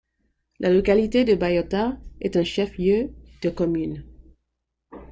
La localité de Bayota est un chef-lieu de commune.